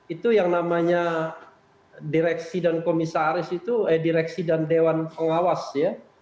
itu yang namanya direksi dan komisaris itu eh direksi dan dewan pengawas ya